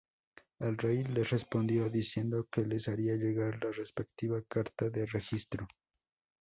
El rey les respondió diciendo que les haría llegar la respectiva carta de registro.